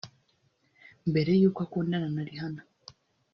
Mbere y’uko akundana na Rihanna